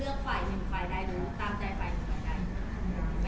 เลือกฝ่ายหนึ่งฝ่ายได้หรือตามใจฝ่ายหนึ่งฝ่ายได้